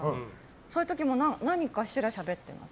そういう時も何かしらしゃべってます。